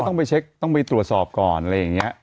ต้องไปเช็คต้องไปตรวจสอบก่อนอะไรอย่างนี้